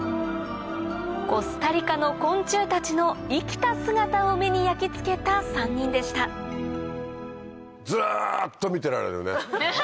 コスタリカの昆虫たちの生きた姿を目に焼き付けた３人でしたずっと見てられるね。